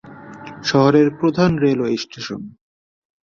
শহরের প্রধান railway station.